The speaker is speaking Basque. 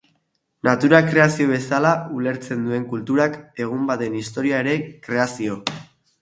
Natura kreazio bezala ulertzen duen kulturak, egun batean historia ere kreazio.